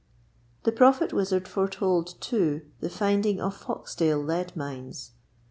The Prophet Wizard foretold, too, the finding of Foxdale lead mines.